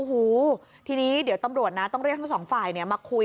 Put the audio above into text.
โอ้โหทีนี้เดี๋ยวตำรวจนะต้องเรียกทั้งสองฝ่ายมาคุย